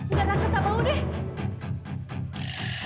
bukan rasa bau deh